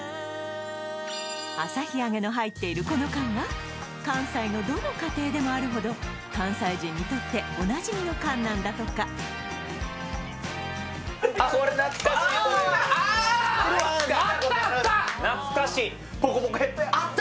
朝日あげの入っているこの缶は関西のどの家庭でもあるほど関西人にとっておなじみの缶なんだとかこれ懐かしい・あ！